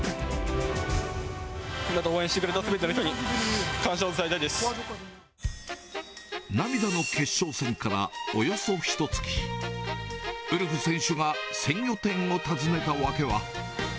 応援してくれたすべての人に、涙の決勝戦からおよそひとつき、ウルフ選手が鮮魚店を訪ねた訳は。